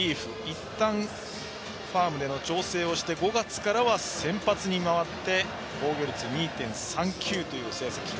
いったんファームでの調整をして５月からは先発に回って防御率２．３９という成績。